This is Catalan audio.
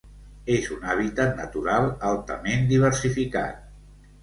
És un hàbitat natural altament diversificat.